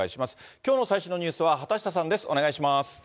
きょうの最新のニュースは畑下さんです。